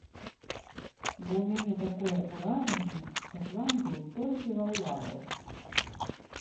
Бо ў мяне такое ўражанне, што план быў толькі ва ўладаў.